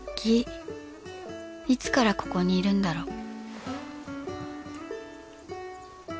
いつからここにいるんだろ？